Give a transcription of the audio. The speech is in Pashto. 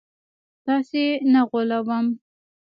تاسي نه غولوم